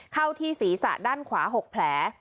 เข้าที่ศีรษะด้านขวา๖แผล